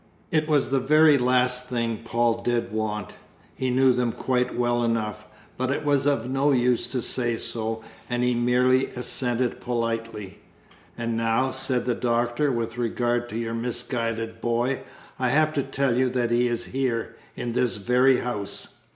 It was the very last thing Paul did want he knew them quite well enough, but it was of no use to say so, and he merely assented politely. "And now," said the Doctor, "with regard to your misguided boy. I have to tell you that he is here, in this very house.